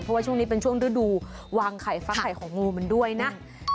เพราะว่าช่วงนี้เป็นช่วงฤดูวางไข่ฟักไข่ของงูมันด้วยนะ